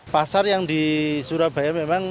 pasar yang di surabaya memang